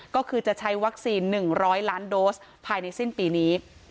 ก็คือจะใช้วัคซีน๑๐๐ล้านโดสภายในสิ้นปีนี้